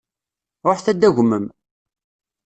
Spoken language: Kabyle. Ruḥet ad d-tagmem.